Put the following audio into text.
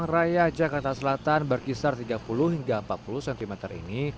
raya jakarta selatan berkisar tiga puluh hingga empat puluh cm ini